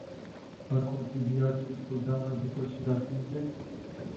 Va contribui acest program la depășirea crizei?